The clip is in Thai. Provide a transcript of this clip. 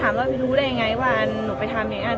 แต่ถามแล้วดูได้ยังไงว่าหนูไปทำอยางอ้าง